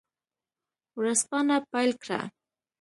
ورځپاڼه پیل کړه.